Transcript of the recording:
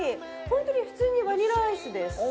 ホントに普通にバニラアイスです